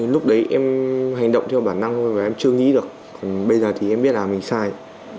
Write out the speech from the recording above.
lúc đấy em hành động theo bản năng và em chưa nghĩ được bây giờ thì em biết là mình sai